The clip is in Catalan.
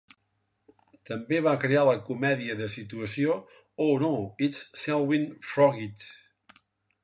També va crear la comèdia de situació "Oh No, It's Selwyn Froggitt!